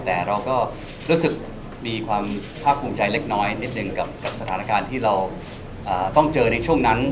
แต่เราก็รู้สึกมีความภาคภูมิใจเล็กน้อยนิดนึงกับสถานการณ์ที่เราต้องเจอในช่วงนั้น